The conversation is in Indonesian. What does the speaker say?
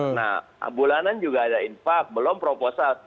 nah bulanan juga ada infak belum proposal